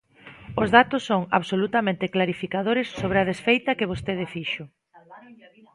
Os datos son absolutamente clarificadores sobre a desfeita que vostede fixo.